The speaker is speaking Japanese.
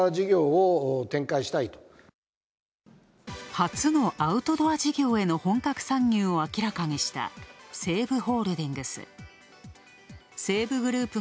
初のアウトドア事業の本格参入を明らかにした西武ホールディングス。